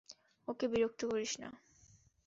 ওকে বিরক্ত করিস না।